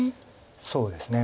そうですね。